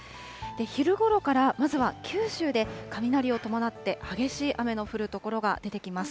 昼ごろから、まずは九州で雷を伴って激しい雨の降る所が出てきます。